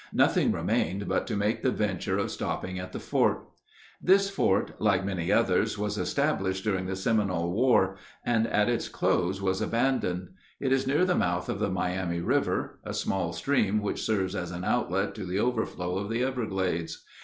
Nothing remained but to make the venture of stopping at the fort. This fort, like many others, was established during the Seminole war, and at its close was abandoned. It is near the mouth of the Miami River, a small stream which serves as an outlet to the overflow of the everglades.